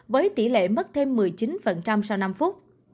với tỷ lệ mất thêm một mươi chín sau năm phút